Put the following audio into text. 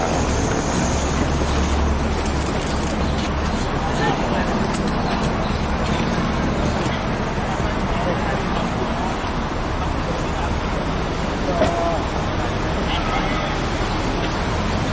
ร่วมเรือเชิญวันและประสงค์